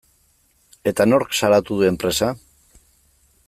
Eta nork salatu du enpresa?